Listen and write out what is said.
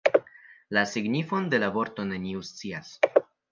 La signifon de la vorto neniu scias.